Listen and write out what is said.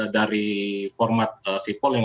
dari format sipol yang